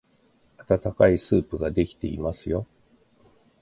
あたたかいスープができていますよ。